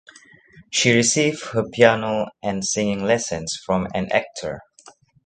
She received her first piano and singing lessons from an actor.